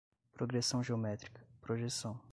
progressão geométrica, projeção